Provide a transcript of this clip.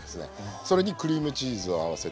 それにクリームチーズを合わせてええ。